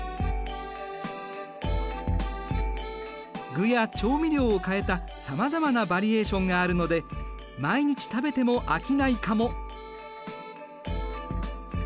具や調味料を変えたさまざまなバリエーションがあるので毎日食べても飽きないかも。